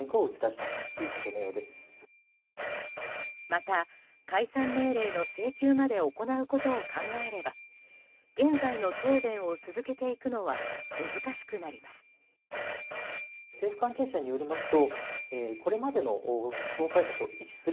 また、解散命令の請求まで行うことを考えれば現在の答弁を続けていくのは難しくなります。